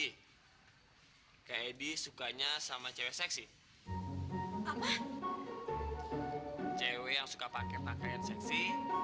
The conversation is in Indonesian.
hai keedi sukanya sama cewek seksi apa cewek yang suka pakai pakaian seksi